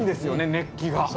熱気が。